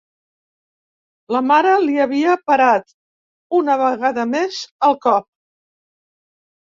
La mare li havia parat, una vegada més, el cop.